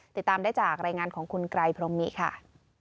ติดตามได้จากรายงานของคุณไกรพรมมิค่ะ